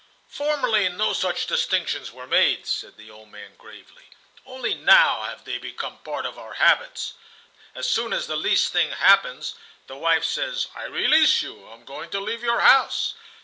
"Formerly no such distinctions were made," said the old man, gravely. "Only now have they become a part of our habits. As soon as the least thing happens, the wife says: 'I release you. I am going to leave your house.